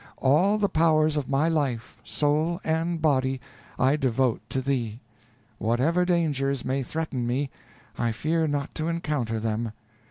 All the powers of my life, soul, and body, I devote to thee. Whatever dangers may threaten me, I fear not to encounter them.